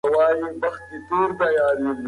هغه د قانون د حاکميت لپاره کار وکړ.